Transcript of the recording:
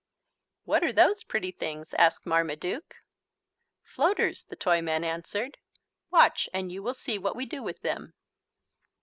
"What are those pretty things?" asked Marmaduke. "Floaters," the Toyman answered. "Watch and you will see what we do with them."